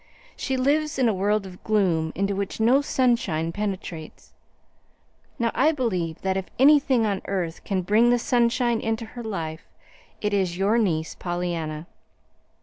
She lives in a world of gloom, into which no sunshine penetrates. Now I believe that if anything on earth can bring the sunshine into her life, it is your niece, Pollyanna.